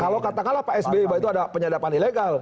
kalau katakanlah pak sby itu ada penyadapan ilegal